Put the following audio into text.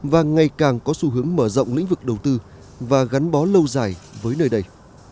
và ngày càng có xu hướng mở rộng lĩnh vực đầu tư và gắn bó lâu dài với nơi đây